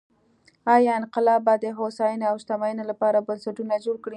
ایا انقلاب به د هوساینې او شتمنۍ لپاره بنسټونه جوړ کړي؟